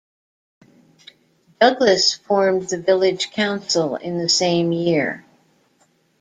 Douglas formed the Village Council in the same year.